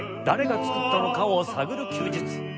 誰が作ったのかを探る休日